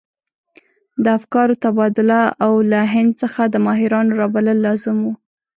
د افکارو تبادله او له هند څخه د ماهرانو رابلل لازم وو.